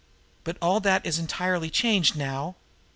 But all that is entirely changed now.